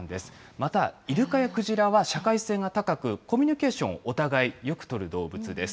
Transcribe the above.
また、イルカやクジラは社会性が高く、コミュニケーションをお互いよく取る動物です。